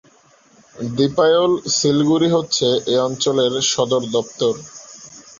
দিপায়ল-সিলগড়ি হচ্ছে এ অঞ্চলের সদরদপ্তর।